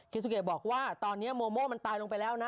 ซูเกะบอกว่าตอนนี้โมโม่มันตายลงไปแล้วนะ